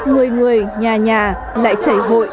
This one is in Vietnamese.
người người nhà nhà lại chảy hội